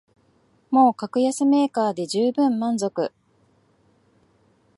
もう格安メーカーでじゅうぶん満足